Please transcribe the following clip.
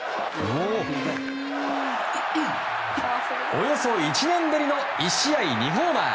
およそ１年ぶりの１試合２ホーマー。